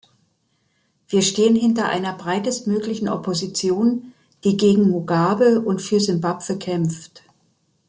Wir stehen hinter einer breitestmöglichen Opposition, die gegen Mugabe und für Simbabwe kämpft.